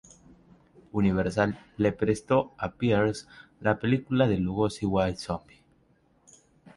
Universal le prestó a Pierce la película de Lugosi White Zombie.